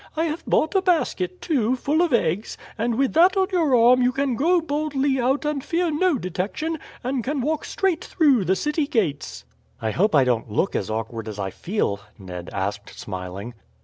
"I have bought a basket, too, full of eggs; and with that on your arm you can go boldly out and fear no detection, and can walk straight through the city gates." "I hope I don't look as awkward as I feel?" Ned asked, smiling.